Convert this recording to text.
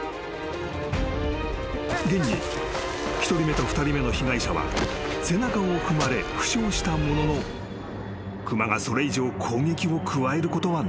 ［現に１人目と２人目の被害者は背中を踏まれ負傷したものの熊がそれ以上攻撃を加えることはなかった］